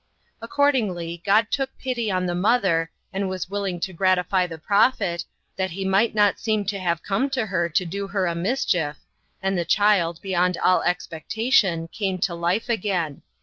Accordingly God took pity on the mother, and was willing to gratify the prophet, that he might not seem to have come to her to do her a mischief, and the child, beyond all expectation, came to life again.